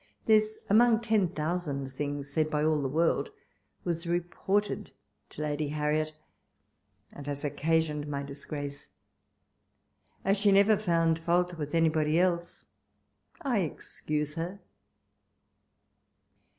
This, among ten thousand things said by all the world, was reported to Lady Harriot, and has occasioned my disgrace. As she never found fault with anybody else, I ex cuse her.